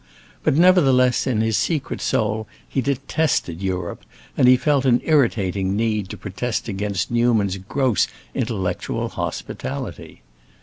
But nevertheless in his secret soul he detested Europe, and he felt an irritating need to protest against Newman's gross intellectual hospitality.